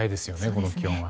この気温は。